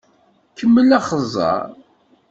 Kemmel axeẓẓeṛ!